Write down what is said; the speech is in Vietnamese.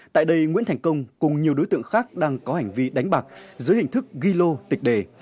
tại đây nguyễn thành công cùng nhiều đối tượng khác đang có hành vi đánh bạc dưới hình thức ghi lô tịch đề